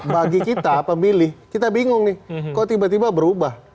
bagi kita pemilih kita bingung nih kok tiba tiba berubah